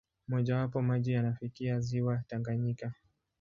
Mmojawapo, maji yanafikia ziwa Tanganyika.